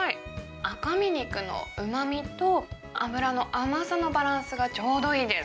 赤身肉のうまみと、脂の甘さのバランスがちょうどいいです。